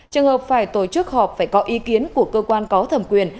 trường hợp phải tổ chức họp phải có ý kiến của cơ quan có thẩm quyền